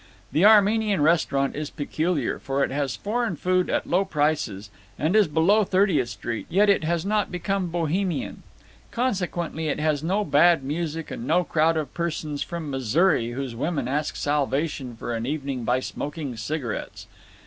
The Armenian restaurant is peculiar, for it has foreign food at low prices, and is below Thirtieth Street, yet it has not become Bohemian. Consequently it has no bad music and no crowd of persons from Missouri whose women risk salvation for an evening by smoking cigarettes.